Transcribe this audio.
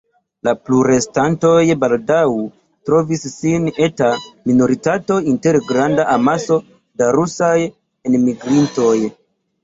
La plurestantoj baldaŭ trovis sin eta minoritato inter granda amaso da rusaj enmigrintoj.